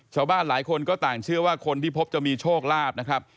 ชาวบ้านหลายคนก็ต่างเชื่อว่าคนที่พบจะมีโชคลาภนะครับ